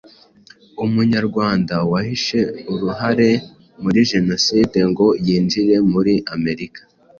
Umunyarwanda wahishe uruhare muri Jenoside ngo yinjire muri Amerika